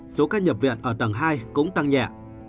số ca nhập viện ở tầng hai cũng tăng nhẹ